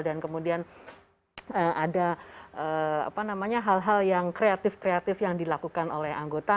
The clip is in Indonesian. dan kemudian ada apa namanya hal hal yang kreatif kreatif yang dilakukan oleh anggota